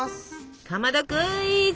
かまどクイズ！